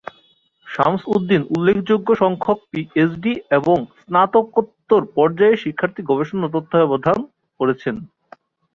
শামস-উদ-দীন উল্লেখযোগ্য সংখ্যক পিএইচডি এবং স্নাতকোত্তর পর্যায়ের শিক্ষার্থীর গবেষণা তত্ত্বাবধান করেছেন।